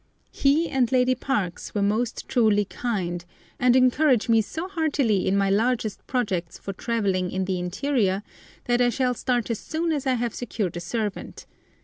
He and Lady Parkes were most truly kind, and encourage me so heartily in my largest projects for travelling in the interior, that I shall start as soon as I have secured a servant.